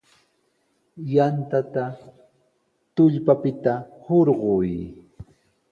Yantata tullpapita hurqay.